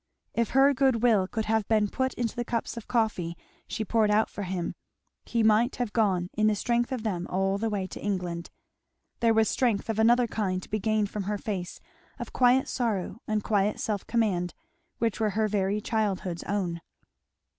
If her good will could have been put into the cups of coffee she poured out for him, he might have gone in the strength of them all the way to England. There was strength of another kind to be gained from her face of quiet sorrow and quiet self command which were her very childhood's own.